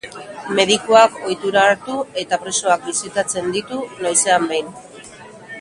Medikuak ohitura hartu eta presoak bisitatzen ditu noizean behin.